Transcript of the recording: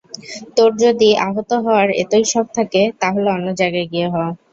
তোর যদি আহত হওয়ার এতই শখ থাকে তাহলে অন্য জায়গায় গিয়ে হ।